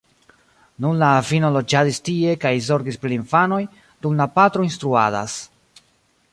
Nun la avino loĝadis tie kaj zorgis pri la infanoj, dum la patro instruadas.